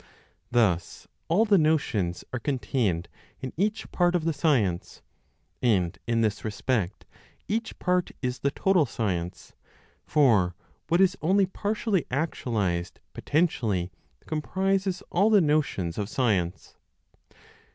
Thus, all the notions are contained in each part of the science, and in this respect each part is the total science; for what is only partially actualized (potentially) comprises all the notions of science.